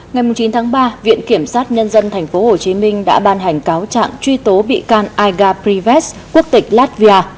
ngày chín tháng ba viện kiểm sát nhân dân tp hcm đã ban hành cáo trạng truy tố bị can aiga privet quốc tịch latvia